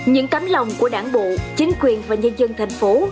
những cánh lòng của đảng bộ chính quyền và nhân dân thành phố